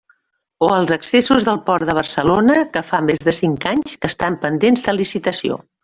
O els accessos al Port de Barcelona, que fa més de cinc anys que estan pendents de licitació.